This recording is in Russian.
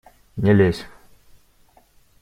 Не лезь!